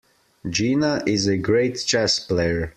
Gina is a great chess player.